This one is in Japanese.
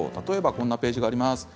こんなページがあります。